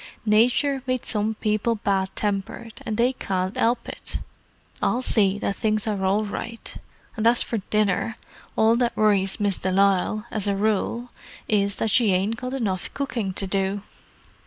Nature made some people bad tempered, and they can't 'elp it. I'll see that things are all right; and as for dinner, all that worries Miss de Lisle, as a rule, is, that she ain't got enough cooking to do!"